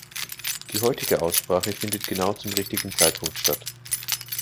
Die heutige Aussprache findet genau zum richtigen Zeitpunkt statt.